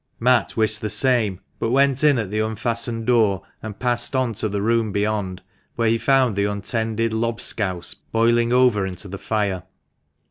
" Matt wished the same, but went in at the unfastened door, and passed on to the room beyond, where he found the untended lobscouse boiling over into the fire.